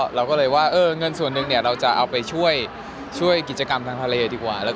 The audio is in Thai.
เราก็เลยว่าเงินส่วนหนึ่งเราจะเอาไปช่วยกิจกรรมทางทะเลดีกว่า